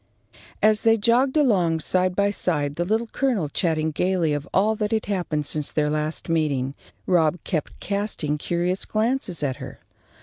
As they jogged along, side by side, the Little Colonel chatting gaily of all that had happened since their last meeting, Rob kept casting curious glances at her.